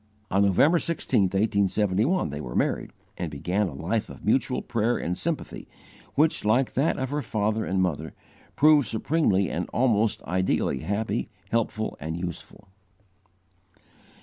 On November 16, 1871, they were married, and began a life of mutual prayer and sympathy which, like that of her father and mother, proved supremely and almost ideally happy, helpful, and useful.